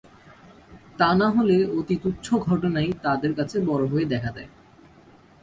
তা না হলে অতি তুচ্ছ ঘটনাই তাদের কাছে বড় হয়ে দেখা দেয়।